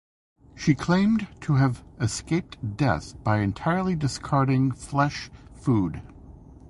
She claimed to have "escaped death by entirely discarding flesh food".